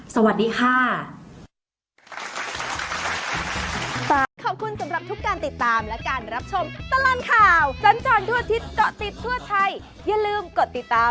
สวัสดีค่ะ